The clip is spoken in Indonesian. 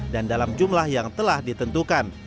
dan dalam jumlah yang telah ditentukan